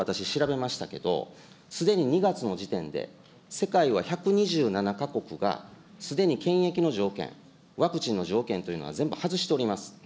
旅行、海外旅行のサイトで私、調べましたけど、すでに２月の時点で、世界は１２７か国がすでに検疫の条件、ワクチンの条件というのは全部外しております。